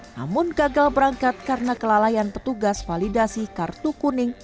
namun gagal berangkat karena kelalaian petugas validasi kartu kuning